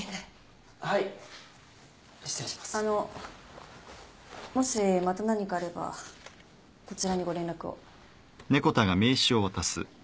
あのもしまた何かあればこちらにご連絡を。